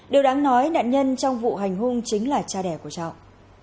điều đáng nói nạn nhân trong vụ hành hung chính là cha đẻ của trọng